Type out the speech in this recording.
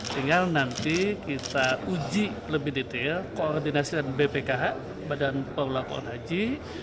tinggal nanti kita uji lebih detail koordinasi dengan bpkh badan pengelolaan haji